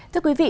thưa quý vị